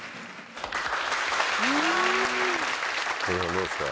どうですか？